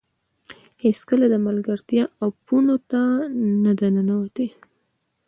هېڅکله د ملګرتیا اپونو ته نه ده ننوتې